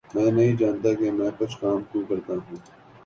میں نہیں جانتا کہ میں کچھ کام کیوں کرتا ہوں